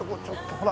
ほら。